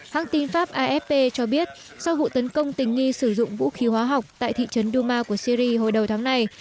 hãng tin pháp afp cho biết sau vụ tấn công tình nghi sử dụng vũ khí hóa học tại thị trấn duma của syri hồi đầu tháng này